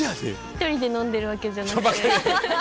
１人で飲んでるわけじゃなくて。